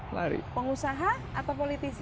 lari pengusaha atau politisi